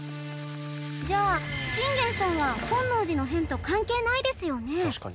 じゃあ信玄さんは本能寺の変と関係ないですよね？